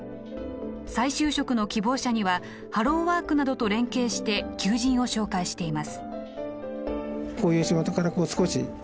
再就職の希望者にはハローワークなどと連携して求人を紹介しています。